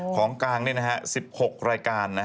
ของกลาง๑๖รายการ